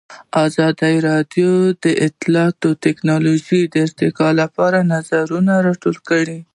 ازادي راډیو د اطلاعاتی تکنالوژي د ارتقا لپاره نظرونه راټول کړي.